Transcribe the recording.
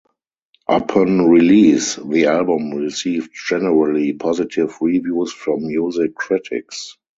Upon release, the album received generally positive reviews from music critics.